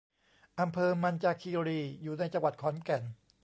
อำเภอมัญจาคีรี อยู่ในจังหวัดขอนแก่น